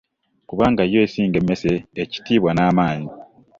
Kubanga yo esinga emesse ekitibwa n'amaanyi .